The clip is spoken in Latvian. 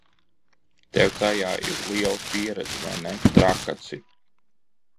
Tev tajā ir liela pieredze, vai ne, Trakaci?